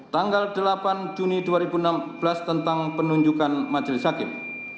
tanggal delapan juni dua ribu enam belas tentang penunjukan majelis hakim